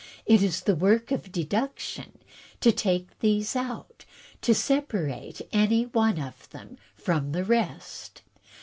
It is the work of deduction to take these out, — to separate any one of them from the rest.